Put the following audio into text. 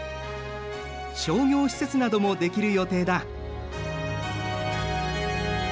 商業施設などもできる予定だ。